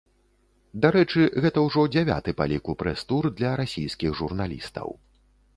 Дарэчы, гэта ўжо дзявяты па ліку прэс-тур для расійскіх журналістаў.